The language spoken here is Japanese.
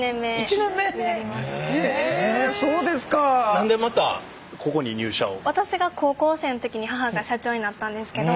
何でまたここに入社を？